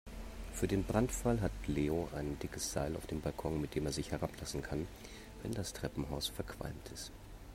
Für den Brandfall hat Leo ein dickes Seil auf dem Balkon, mit dem er sich herablassen kann, wenn das Treppenhaus verqualmt ist.